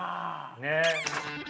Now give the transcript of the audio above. ねえ。